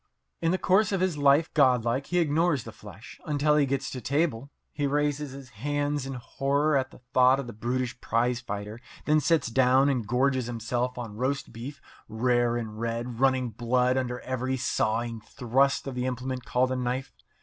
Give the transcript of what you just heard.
In the course of his life godlike he ignores the flesh until he gets to table. He raises his hands in horror at the thought of the brutish prize fighter, and then sits down and gorges himself on roast beef, rare and red, running blood under every sawing thrust of the implement called a knife.